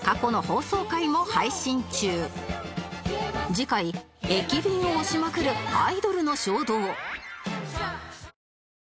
次回駅弁を推しまくるアイドルの衝動